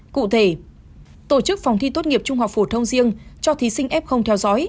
cụ thể tổ chức phòng thi tốt nghiệp trung học phổ thông riêng cho thí sinh f theo dõi